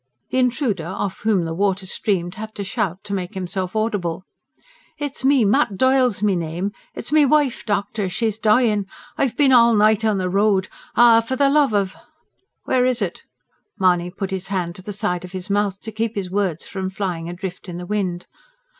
The intruder, off whom the water streamed, had to shout to make himself audible. "It's me Mat Doyle's me name! It's me wife, doctor; she's dying. I've bin all night on the road. Ah, for the love of " "Where is it?" Mahony put his hand to the side of his mouth, to keep his words from flying adrift in the wind.